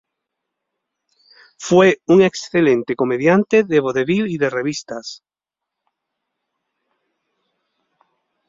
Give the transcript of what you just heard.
Fue un excelente comediante de vodevil y de revistas.